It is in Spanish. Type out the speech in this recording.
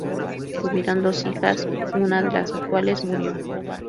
Tuvieron dos hijas, una de las cuales murió.